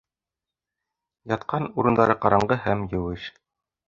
Ятҡан урындары ҡараңғы һәм еүеш.